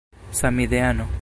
samideano